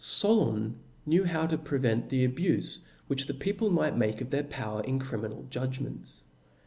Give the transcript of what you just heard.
Solon knew how to prevent the abufe which the people might make of their power in criminal judg ments.